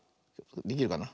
できるかな。